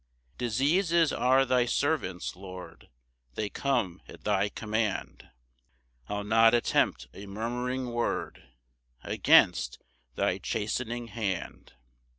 2 Diseases are thy servants, Lord, They come at thy command; I'll not attempt a murmuring word Against thy chastening hand.